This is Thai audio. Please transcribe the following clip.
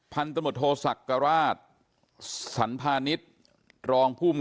พันธมโทษักราชสัณภานิสรองภูมิ